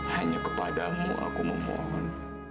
hanya kepadamu aku memohon